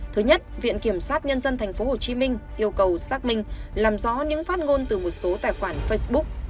thứ nhất viện kiểm sát nhân dân tp hcm yêu cầu xác minh làm rõ những phát ngôn từ một số tài khoản facebook